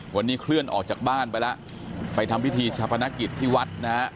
วันนี้เคลื่อนออกจากบ้านไปแล้วไปทำพิธีชาพนักกิจที่วัดนะฮะ